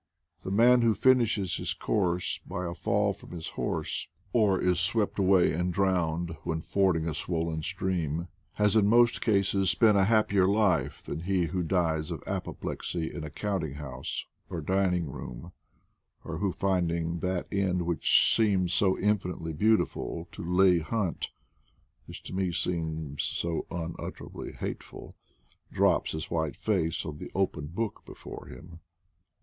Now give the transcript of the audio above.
The man who finishes his course by a fall from his horse, or is swept away and drowned when fording a swollen stream, has, in most cases, spent a happier life than he who dies of apoplexy in a counting house or dining room; or, who, find ing that end which seemed so infinitely beautiful 90 IDLE DATS IN PATAGONIA to Leigh Hunt (which to me seems so unutterably hateful), drops his white face on the open book before him.